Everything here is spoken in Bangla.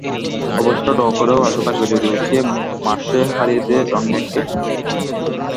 অবশ্য ড্র করেও আশা থাকবে, যদি ওদিকে মার্শেই হারিয়ে দেয় ডর্টমুন্ডকে।